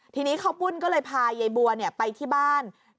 ทีนี้ข้าวปุ้นก็เลยพายายบัวไปที่บ้าน